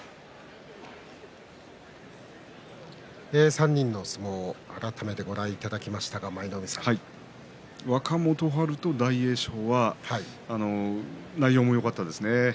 ３人の相撲を改めてご覧いただきましたが舞の海さん。若元春と大栄翔は内容もよかったですね。